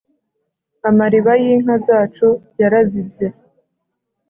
amariba yinka zacu zarazibye